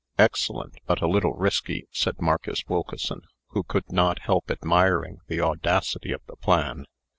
'" "Excellent, but a little risky," said Marcus Wilkeson, who could not help admiring the audacity of the plan.